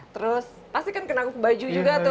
terus pasti kan kena baju juga tuh